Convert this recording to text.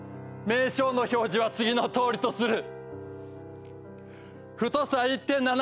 名称の表示は次のとおりとする。